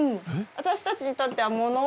私たちにとっては物置。